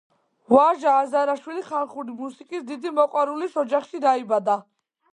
ვაჟა აზარაშვილი ხალხური მუსიკის დიდი მოყვარულის ოჯახში დაიბადა.